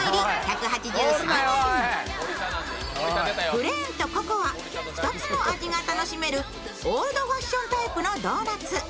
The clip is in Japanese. プレーンとココア２つの味が楽しめるオールドファッションタイプのドーナツ。